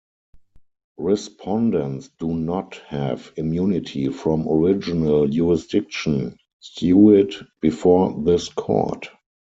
Respondents do not have immunity from Original Jurisdiction suit before this Court.